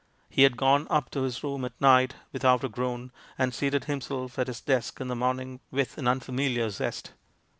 He had gone up to his room at night without a groan, and seated himself at his desk in the morn ing with an unfamiliar zest.